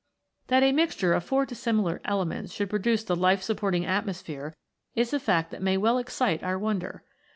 That a mixture of four dissimilar elements should produce the life supporting atmosphere is a fact that may well excite our wonder.